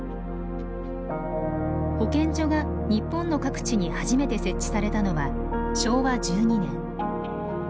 保健所が日本の各地に初めて設置されたのは昭和１２年。